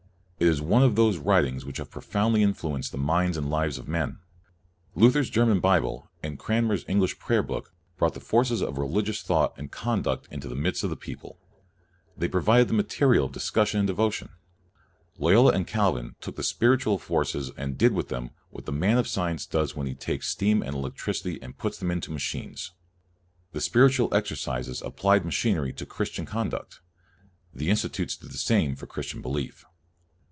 It is one of those writ ings which have profoundly influenced the minds and lives of men. Luther's German Bible and Cranmer's English Prayer book brought the forces of religious thought and conduct into the midst of the people. They provided the materials of discussion and devotion. Loyola and Calvin took the spiritual forces and did with them what the man of science does when he takes steam and electricity and puts them into CALVIN 105 machines. The Spiritual Exercises ap plied machinery to Christian conduct. The Institutes did the same for Christian belief.